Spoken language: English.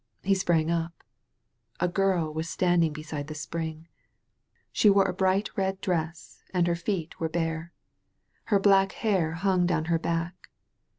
He sprang up. A girl was standing beside the spring. She wore a bright red dress and her feet were bare. Her black hair hung down her back.